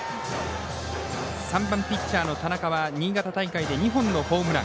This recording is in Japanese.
３番、ピッチャーの田中は新潟大会で２本のホームラン。